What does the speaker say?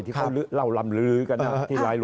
ที่เขาเล่าลำลื้อกันนะที่ลายหลุด